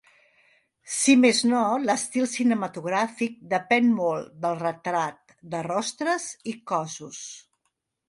Si més no l'estil cinematogràfic depèn molt del retrat de rostres i cossos.